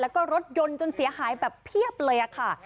แล้วก็รถยนต์จนเสียหายแบบเพียบเลยค่ะ